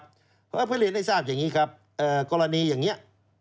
เพราะเพื่อเรียนให้ทราบอย่างนี้ครับกรณีอย่างนี้